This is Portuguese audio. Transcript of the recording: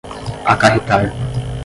acarretar